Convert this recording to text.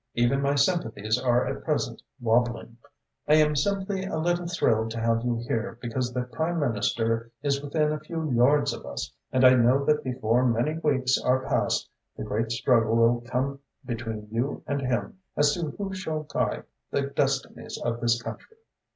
Even my sympathies are at present wobbling. I am simply a little thrilled to have you here, because the Prime Minister is within a few yards of us and I know that before many weeks are past the great struggle will come between you and him as to who shall guide the destinies of this country."